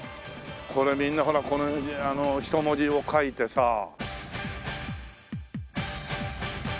これみんなほらこの人文字を書いてさ。